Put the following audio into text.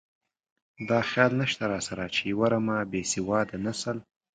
دا خیال نشته راسره چې یوه رمه بې سواده نسل.